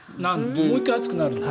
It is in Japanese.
もう１回暑くなるんだ。